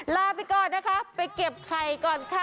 ลาไปก่อนนะคะไปเก็บไข่ก่อนค่ะ